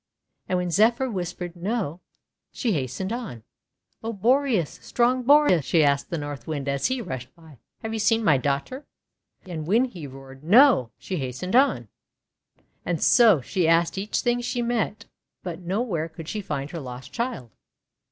And when Zephyr whispered "No," she has tened on. "O Boreas! Strong Boreas !': she asked the North Wind as he rushed by, "have you seen my daughter?' And when he roared "No" she hastened on. And so she asked each thing she met, but no where could she find her lost child.